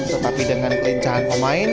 tetapi dengan kelencahan pemain